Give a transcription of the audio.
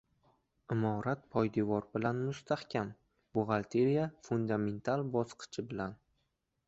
Imorat poydevor bilan mustahkam, buxgalteriya- fundamental bosqichi bilan!